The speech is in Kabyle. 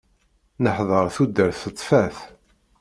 Neḥder tudert tettfat.